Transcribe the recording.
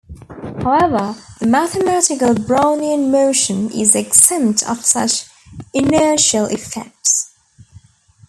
However the mathematical "Brownian motion" is exempt of such inertial effects.